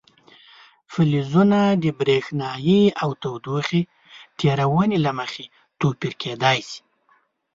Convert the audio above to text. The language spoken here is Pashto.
فلزونه د برېښنايي او تودوخې تیرونې له مخې توپیر کیدای شي.